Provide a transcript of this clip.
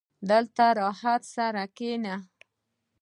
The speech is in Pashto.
• دلته راحت سره کښېنه.